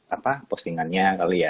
apa postingannya kali ya